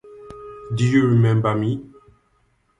Do you remember me?